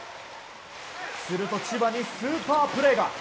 すると千葉にスーパープレーが。